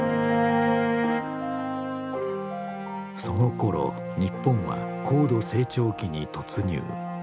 そのころ日本は高度成長期に突入。